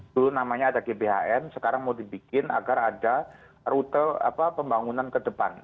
dulu namanya ada gbhn sekarang mau dibikin agar ada rute pembangunan ke depan